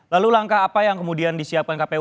lalu langkah apa yang kemudian disiapkan kpu